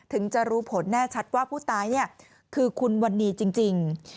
ถึงจะรู้ผลแน่ชัดว่าผู้ตายคือคุณวันนี้จริง